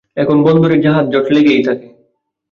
এখন বন্দরে জাহাজজট লেগেই থাকে।